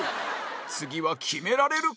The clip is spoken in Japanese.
次は決められるか？